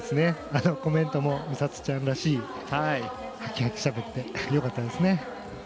コメントも美里ちゃんらしくはきはきしゃべってよかったですね。